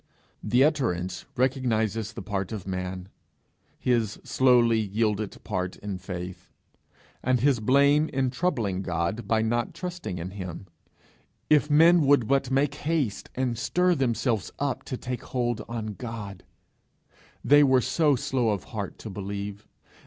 The utterance recognizes the part of man, his slowly yielded part in faith, and his blame in troubling God by not trusting in him. If men would but make haste, and stir themselves up to take hold on God! They were so slow of heart to believe!